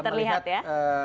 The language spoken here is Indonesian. sudah terlihat ya